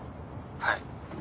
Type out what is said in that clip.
はい。